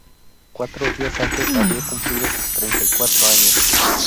Cuatro días antes había cumplido treinta y cuatro años.